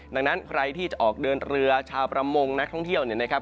ดังนั้นใครที่จะออกเดินเรือชาวประมงนักท่องเที่ยวเนี่ยนะครับ